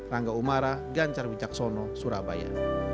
rangga umara ganjar wijaksono surabaya